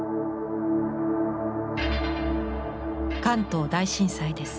関東大震災です。